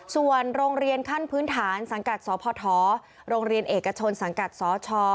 ส่วนโรงเรียนขั้นพื้นฐานสังกัดสพโรงเรียนเอกชนสังกัดสช